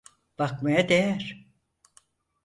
Bakmaya değer.